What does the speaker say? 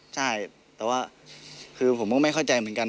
ใช่แต่ว่าคือผมก็ไม่เข้าใจเหมือนกัน